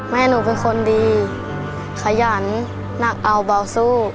แม่หนูเป็นคนดีขยันหนักเอาเบาสู้